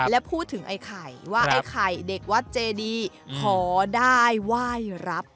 และพูดถึงไอ้ไข่ว่าไอ้ไข่เด็กวัดเจดีขอได้ไหว้รับ